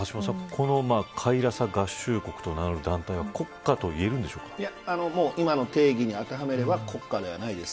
このカイラサ合衆国と名乗る団体は今の定義に当てはめれば国家ではないです。